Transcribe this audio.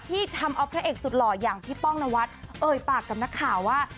ที่ทำเอาพระเอกสุดหล่ออย่างพี่ป้องนวัดเอ่ยปากกับนักข่าวว่า